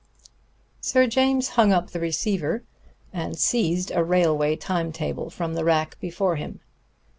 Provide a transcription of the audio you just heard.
Sir James hung up the receiver, and seized a railway time table from the rack before him.